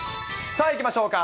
さあ、いきましょうか。